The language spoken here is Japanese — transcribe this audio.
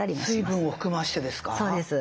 水分を含ましてですか？